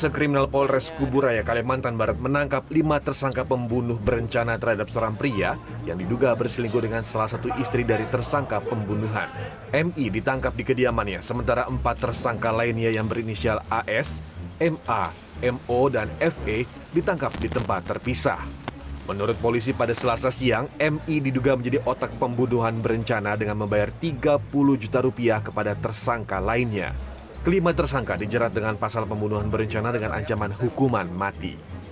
kelima tersangka dijerat dengan pasal pembunuhan berencana dengan ancaman hukuman mati